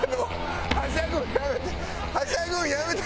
はしゃぐのやめて！